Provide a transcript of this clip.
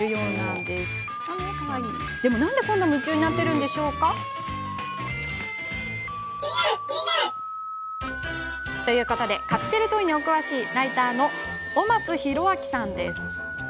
でも、なんで、こんなに夢中になっているんでしょうか。ということでカプセルトイにお詳しいライターの尾松洋明さんです。